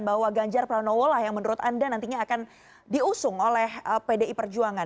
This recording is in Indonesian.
bahwa ganjar pranowo lah yang menurut anda nantinya akan diusung oleh pdi perjuangan